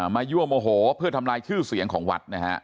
ยั่วโมโหเพื่อทำลายชื่อเสียงของวัดนะฮะ